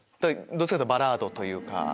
どっちかというとバラードというか。